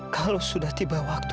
kalau sudah tiba waktu